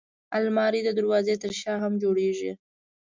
الماري د دروازې تر شا هم جوړېږي